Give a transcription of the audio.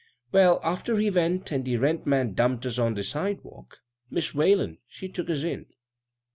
Well, after he went, an' de rent man dumped us on de sidewalk, Mis' Whalen, she tooked us in.